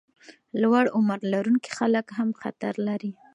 لوړ عمر لرونکي خلک هم خطر لري.